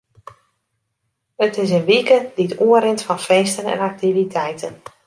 It is in wike dy't oerrint fan feesten en aktiviteiten.